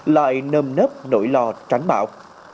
lại nơm nớp nỗi lo tránh bạo